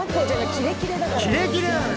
キレキレなのよ。